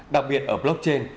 đặc biệt ở blockchain